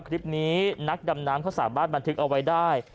คลิปนี้นักดำน้ำเขาสามารถบันทึกเอาไว้ได้